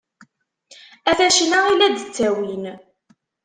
Ata ccna i la d-ttawin.